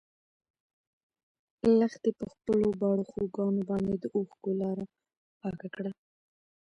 لښتې په خپلو باړخوګانو باندې د اوښکو لاره پاکه کړه.